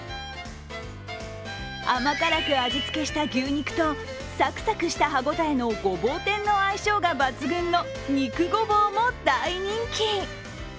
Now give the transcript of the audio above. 甘辛く味付けした牛肉とサクサクした歯応えのごぼう天の相性が抜群の肉ごぼうも大人気。